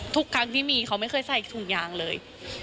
ทุกครั้งที่มีเขาไม่เคยใส่ถุงยางเลย